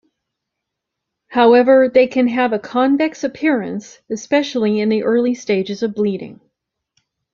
However, they can have a convex appearance, especially in the early stage of bleeding.